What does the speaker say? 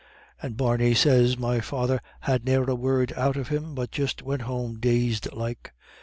"And Barney sez my father had ne'er a word out of him, but just went home dazed like.